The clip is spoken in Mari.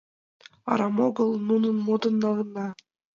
Арам огыл нуным модын налынна!